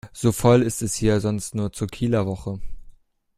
So voll ist es hier sonst nur zur Kieler Woche.